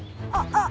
あっ！